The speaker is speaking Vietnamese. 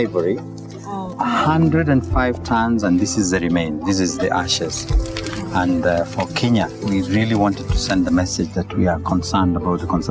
với kenya chúng tôi rất kiên trì về